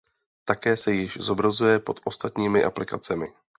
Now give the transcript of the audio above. Také se již zobrazuje pod ostatními aplikacemi.